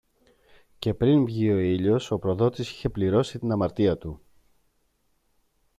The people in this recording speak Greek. Και πριν βγει ο ήλιος, ο προδότης είχε πληρώσει την αμαρτία του.